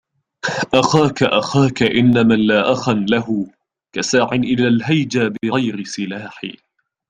أخاك أخاك إن من لا أخاً له كساعٍ إلى الهيجا بغير سلاح